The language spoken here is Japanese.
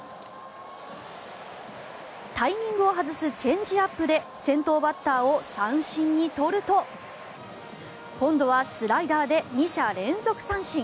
タイミングを外すチェンジアップで先頭バッターを三振に取ると今度はスライダーで２者連続三振。